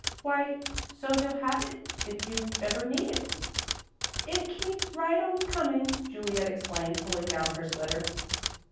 "Why, so you'll have it if you ever need it." "It keeps right on coming," Juliet explained, pulling down her sweater.